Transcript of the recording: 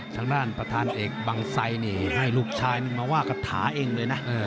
ทางด้านประธานเอกบังไซนี่ให้ลูกชายนี่มาว่ากระถาเองเลยนะ